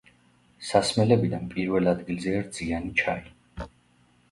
სასმელებიდან პირველ ადგილზეა რძიანი ჩაი.